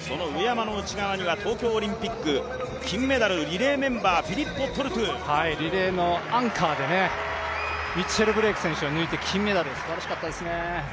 その上山の内側には東京オリンピック、金メダルリレーメンバーフィリッポ・トルトゥリレーのアンカーでねミッチェル・ブレイク選手を抜いて金メダル、すばらしかったですね。